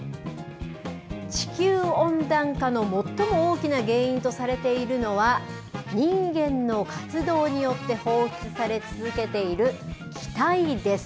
地球温暖化の最も大きな原因とされているのは、人間の活動によって放出され続けている気体です。